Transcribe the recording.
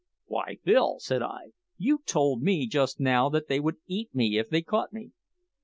"Why, Bill," said I, "you told me just now that they would eat me if they caught me!"